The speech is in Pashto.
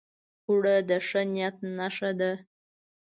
اوړه د ښه نیت نښه ده